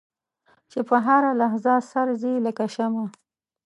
چې په هره لحظه سر ځي لکه شمع.